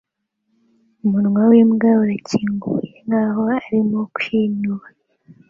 Umunwa wimbwa urakinguye nkaho arimo kwinuba